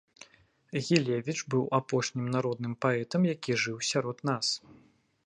Гілевіч быў апошнім народным паэтам, які жыў сярод нас.